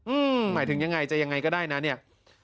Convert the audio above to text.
หมายถึงยังไงจะยังไงก็ได้นะเนี่ย